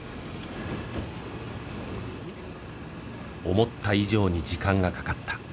思った以上に時間がかかった。